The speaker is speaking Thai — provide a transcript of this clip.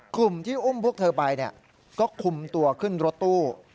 กลุ่มที่อุ้มพวกเธอไปก็คุมตัวขึ้นรถตู้